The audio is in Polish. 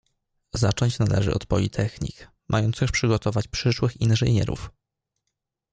"Zacząć należy od politechnik, mających przygotować przyszłych inżynierów."